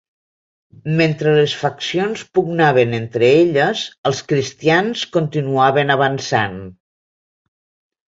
Mentre les faccions pugnaven entre elles, els cristians continuaven avançant.